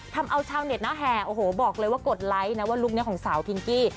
ทำเอาชาวเน็ตนะแห่โอ้โหบอกเลยว่ากดไลค์นะว่าลุคนี้ของสาวพิงกี้